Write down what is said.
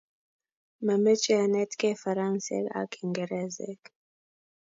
Mameche anetgei Faransek ak Kingeresek